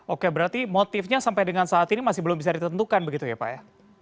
oke berarti motifnya sampai dengan saat ini masih belum bisa ditentukan begitu ya pak ya